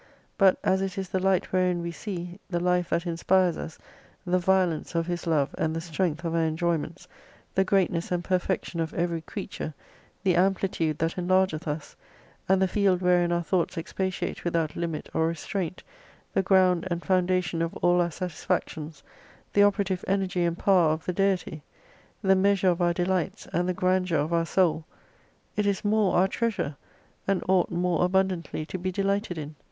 But as it is the Light wherein we see, the Life that inspires us, the violence of His love, and the strength of our enjoy ments, the greatness and perfection of every creature.the amphtude that enlargeth us, and the field wherein our thoughts expatiate without limit or restraint, the ground and foundation of all our satisfactions, the operative energy and power of the Deity, the measure of our delights, and the grandeur of our soul, it is more our treasure, and ought more abundantly to be delighted in.